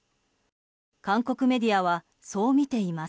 韓国メディアはそうみています。